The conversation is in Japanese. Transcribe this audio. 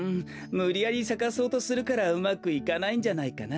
むりやりさかそうとするからうまくいかないんじゃないかな？